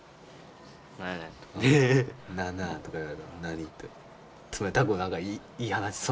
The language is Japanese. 「なあなあ」とか言われたら「何！」って冷たく言い放ちそう。